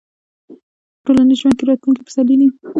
په ټولنیز ژوند کې راتلونکي پسرلي دي.